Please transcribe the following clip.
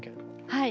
はい。